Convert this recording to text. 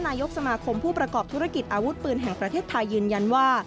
นายกสมาคมผู้ประกอบธุรกิจอาวุธปืนแห่งประเทศไทยยืนยันว่า